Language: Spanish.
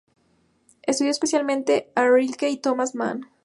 Estudió especialmente a Rilke y Thomas Mann.